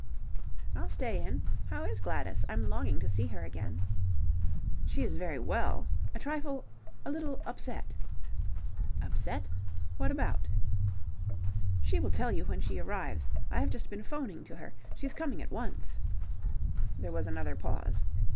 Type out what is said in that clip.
"I'll stay in. How is Gladys? I'm longing to see her again." "She is very well. A trifle a little upset." "Upset? What about?" "She will tell you when she arrives. I have just been 'phoning to her. She is coming at once." There was another pause.